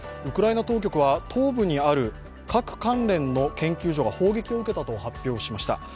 ウクライナ当局は東部にある核関連の研究所が砲撃を受けたと発表しました。